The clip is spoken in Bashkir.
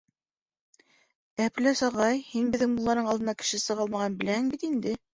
Әпләс ағай, һин беҙҙең мулланың алдына кеше сыға алмағанын беләһең бит инде.